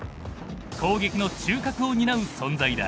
攻撃の中核を担う存在だ。